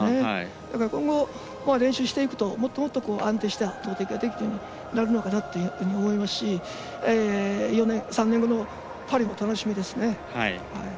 だから、今後、練習していくともっと安定した投てきができるのかなと思いますし３年後のパリも楽しみですね。